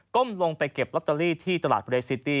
ลงไปเก็บลอตเตอรี่ที่ตลาดเรซิตี้